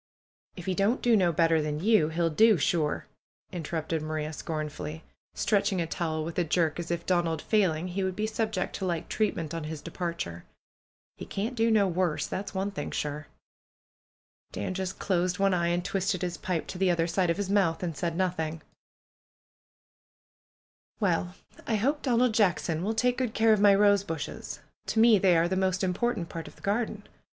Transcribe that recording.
"If he don't do no better than you, he'll do sure !" interrupted Maria, scornfully, stretching a towel with a jerk as if, Donald failing, he would be subjected to like treatment on his departure. "He can't do no worse. That's one thing sure." Dan just closed one eye and twisted his pipe to the other side of his mouth and said nothing. 174 PRUE'S GARDENER "Well! I hope Donald Jackson will take good care of my rose bushes. To me they are the most important part of the garden.